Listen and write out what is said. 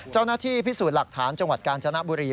เจ้าหน้าที่พิสูจน์หลักฐานจังหวัดกาญจนบุรี